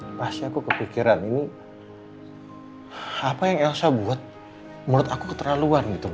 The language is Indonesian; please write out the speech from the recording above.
pasti aku kepikiran ini apa yang elsa buat menurut aku keterlaluan gitu